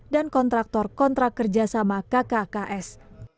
dan kontraktor kontrak kerjasama kkks